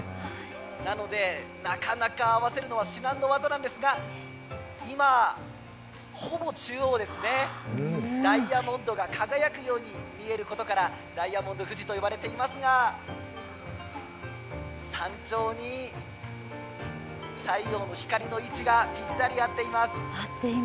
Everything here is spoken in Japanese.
なのでなかなか合わせるのは至難の業なんですが今、ほぼ中央ですね、ダイヤモンドが輝くように見えることからダイヤモンド富士と呼ばれていますが、山頂に太陽の光の位置がぴったり合っています。